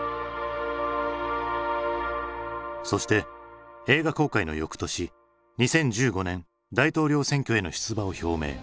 そして映画公開のよくとし２０１５年大統領選挙への出馬を表明。